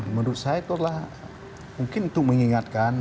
menurut saya itu adalah mungkin untuk mengingatkan